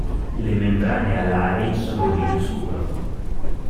Le membrane alari sono grigio scuro.